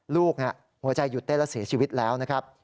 ลูกน่ะหัวใจหยุดได้แล้วเสียชีวิตแล้วนะครับ